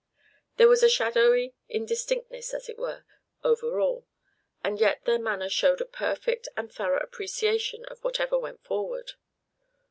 There was a shadowy indistinctness, as it were, over all; and yet their manner showed a perfect and thorough appreciation of whatever went forward.